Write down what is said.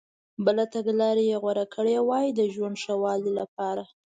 بله تګلارې یې غوره کړي وای د ژوند ښه والي لپاره.